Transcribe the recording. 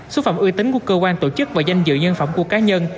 xúc phạm ưu tính của cơ quan tổ chức và danh dự nhân phẩm của cá nhân